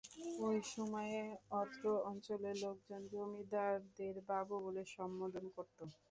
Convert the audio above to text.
ঐ সময়ে অত্র অঞ্চলের লোকজন জমিদারদের বাবু বলে সম্বোধন করত।